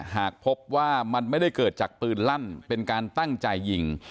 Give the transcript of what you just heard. หากพบว่ามันไม่ได้เกิดจากปืนลั่นเป็นการตั้งใจยิง